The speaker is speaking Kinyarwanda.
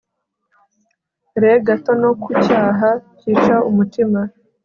re gato nokucyaha cyica umutima